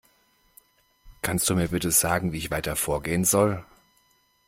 Kannst du mir bitte sagen, wie ich weiter vorgehen soll?